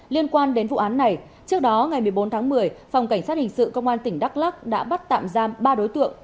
liên quan đến vụ án này trước đó ngày một mươi bốn tháng một mươi phòng cảnh sát hình sự công an tỉnh đắk lắc đã bắt tạm giam ba đối tượng